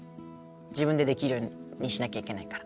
自分でできるようにしなきゃいけないから。